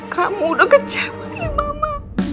kamu udah kecewa nih mama